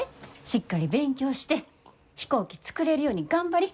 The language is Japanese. しっかり勉強して飛行機作れるように頑張り。